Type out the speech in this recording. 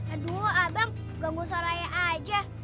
aduh abang ganggu suaranya aja